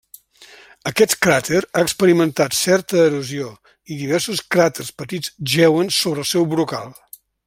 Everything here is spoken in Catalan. Aquest cràter ha experimentat certa erosió, i diversos cràters petits jeuen sobre el seu brocal.